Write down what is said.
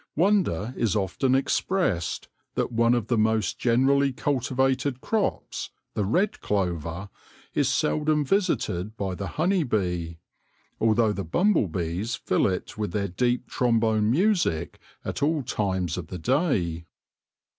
Wonder is often expressed that one of the most generally cultivated crops, the red clover, is seldom visited by the honey bee, although the bumble bees fill it with their deep trombone music at all times of the day.